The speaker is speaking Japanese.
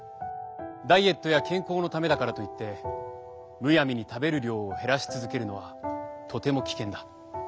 ダイエットや健康のためだからといってむやみに食べる量を減らし続けるのはとても危険だ。